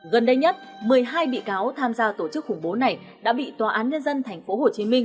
gần đây nhất một mươi hai bị cáo tham gia tổ chức khủng bố này đã bị tòa án nhân dân tp hcm